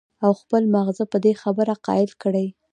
او خپل مازغۀ پۀ دې خبره قائل کړي